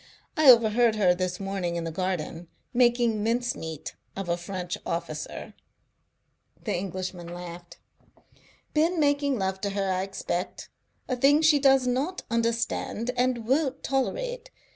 "I overheard her this morning, in the garden, making mincemeat of a French officer." The Englishman laughed. "Been making love to her, I expect. A thing she does not understand and won't tolerate.